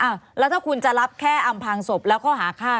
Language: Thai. แล้วถ้าคุณจะรับแค่อำพางศพแล้วข้อหาฆ่า